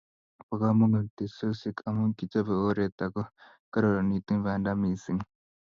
Bo kamanut teksosiek amu kichobe oret akokararanitu banda mising